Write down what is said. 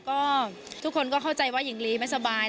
ก็ทุกคนก็เข้าใจว่าหญิงลีไม่สบาย